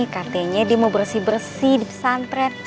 katanya dia mau bersih bersih di pesantren